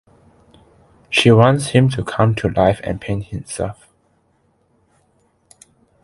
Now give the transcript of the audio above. She wants him to come to life and paint himself.